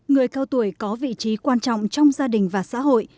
người cao tuổi có vị trí quan trọng trong gia đình và xã hội